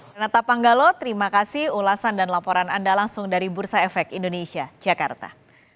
menata panggalo terima kasih ulasan dan laporan anda langsung dari bursa efek indonesia jakarta